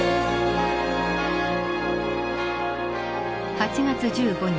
８月１５日。